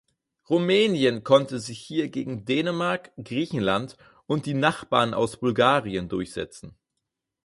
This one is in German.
Rumänien konnte sich hier gegen Dänemark, Griechenland und die Nachbarn aus Bulgarien durchsetzen.